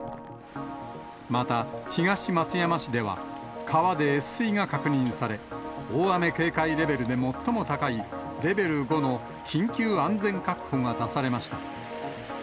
また東松山市では、川で越水が確認され、大雨警戒レベルで最も高いレベル５の緊急安全確保が出されました。